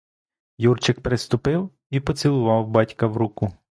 Юрчик приступив і поцілував батька в руку.